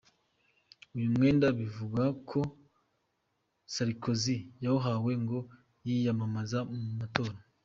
Uyu mwenda bivugwa ko Sarkozy yawuhawe ngo yiyamamaze mu matora.